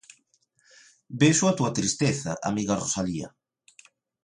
Vexo a túa tristeza, amiga Rosalia.